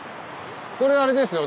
これあれですよね。